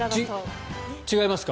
違いますか？